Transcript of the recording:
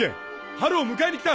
ハルを迎えに来た！